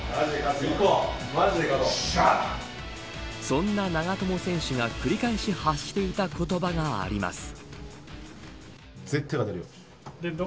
そんな長友選手が繰り返し発していた言葉があります。